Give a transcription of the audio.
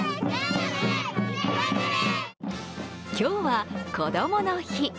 今日は、こどもの日。